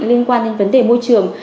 liên quan đến vấn đề môi trường